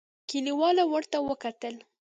کليوالو ورته وکتل.